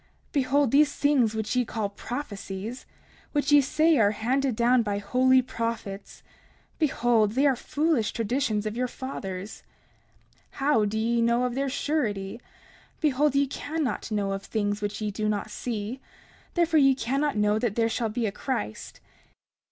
30:14 Behold, these things which ye call prophecies, which ye say are handed down by holy prophets, behold, they are foolish traditions of your fathers. 30:15 How do ye know of their surety? Behold, ye cannot know of things which ye do not see; therefore ye cannot know that there shall be a Christ.